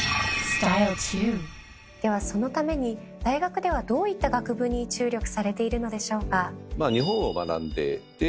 ではそのために大学ではどういった学部に注力されているのでしょうか？